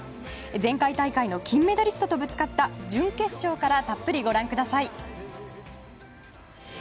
前回大会の金メダリストとぶつかった準決勝からたっぷりご覧ください。